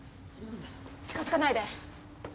近づかないで。